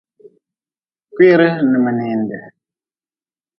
Kwiri n mininde.